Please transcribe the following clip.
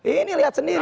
ini lihat sendiri